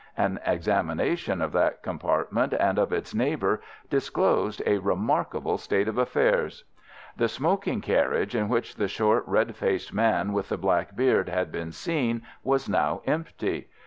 An examination of that compartment, and of its neighbour, disclosed a remarkable state of affairs. The smoking carriage in which the short, red faced man with the black beard had been seen was now empty.